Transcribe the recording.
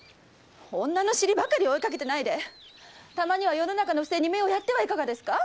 女の尻ばかり追いかけてないでたまには世の中の不正に目をやってはいかがですか？